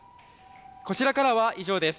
こちらからは以上です。